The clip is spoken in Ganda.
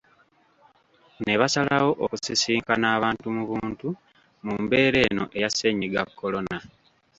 Ne basalawo okusisinkana abantu mu buntu mu mbeera eno eya ssennyiga korona.